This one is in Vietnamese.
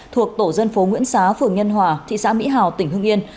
thuộc tổ dân phố nguyễn xá phường nhân hòa thị xã mỹ hảo tỉnh hương yên